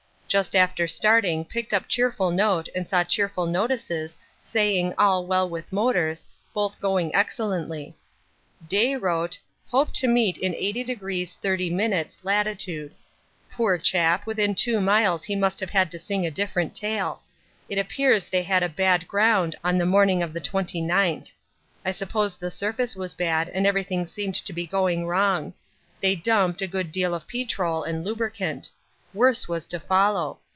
Just after starting picked up cheerful note and saw cheerful notices saying all well with motors, both going excellently. Day wrote 'Hope to meet in 80° 30' (Lat.).' Poor chap, within 2 miles he must have had to sing a different tale. It appears they had a bad ground on the morning of the 29th. I suppose the surface was bad and everything seemed to be going wrong. They 'dumped' a good deal of petrol and lubricant. Worse was to follow.